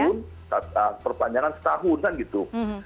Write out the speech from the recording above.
pertama dua tahun perpanjangan setahun kan gitu